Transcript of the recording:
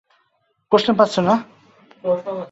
আমি কাউকে মারব না।